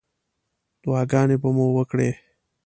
دعاګانې به مو وکړې.